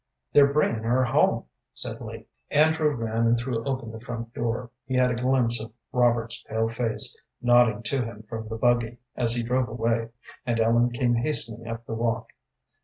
"They're bringin' her home," said Lee. Andrew ran and threw open the front door. He had a glimpse of Robert's pale face, nodding to him from the buggy as he drove away, and Ellen came hastening up the walk.